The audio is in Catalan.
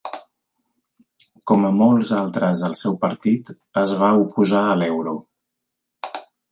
Com a molts altres del seu partit, es va oposar a l'euro.